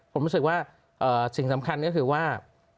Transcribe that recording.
ผมรู้สึกว่าสิ่งสำคัญก็คือว่า